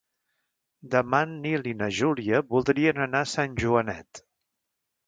Demà en Nil i na Júlia voldrien anar a Sant Joanet.